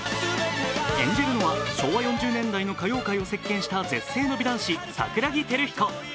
演じるのは昭和４０年代の歌謡界を席巻した絶世の美男子・桜木輝彦。